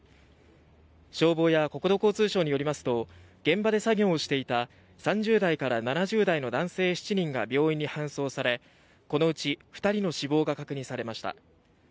消防や国土交通省によりますと現場で作業をしていた３０台から７０代の男性７人が病院に搬送されこのうち２人の死亡が確認されました。